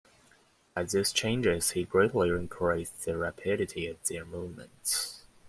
By these changes he greatly increased the rapidity of their movements.